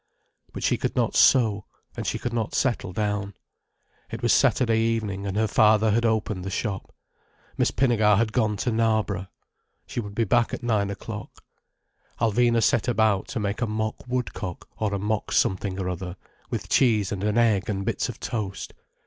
But she could not sew—and she could not settle down. It was Saturday evening, and her father had opened the shop, Miss Pinnegar had gone to Knarborough. She would be back at nine o'clock. Alvina set about to make a mock woodcock, or a mock something or other, with cheese and an egg and bits of toast.